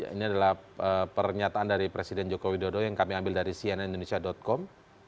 ini adalah pernyataan dari presiden joko widodo yang kami ambil dari cnn indonesia com